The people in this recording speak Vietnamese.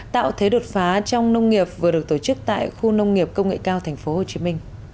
tạo thế đột phá trong nông nghiệp vừa được tổ chức tại khu nông nghiệp công nghệ cao tp hcm